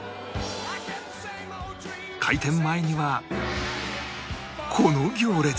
開店前にはこの行列！